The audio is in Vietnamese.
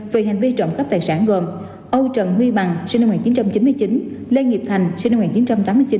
về hành vi trộm cắp tài sản gồm âu trần huy bằng sinh năm một nghìn chín trăm chín mươi chín lê nghiệp thành sinh năm một nghìn chín trăm tám mươi chín